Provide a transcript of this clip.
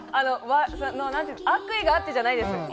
悪意があってじゃないです。